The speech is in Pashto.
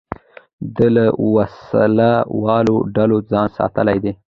ده له وسلهوالو ډلو ځان ساتلی دی.